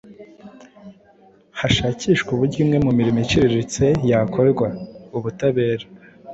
Hashakishwe uburyo imwe mu mirimo iciriritse yakorwa .Ubutabera